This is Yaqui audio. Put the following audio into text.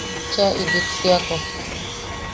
Chea ilittiako.